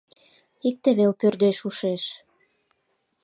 Икте вел пӧрдеш ушеш: